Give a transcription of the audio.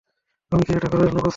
তুমি কি এটা করার জন্য প্রস্তুত?